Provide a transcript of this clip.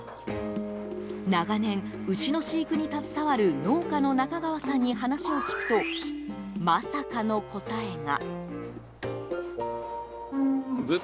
長年、牛の飼育に携わる農家の中川さんに話を聞くとまさかの答えが。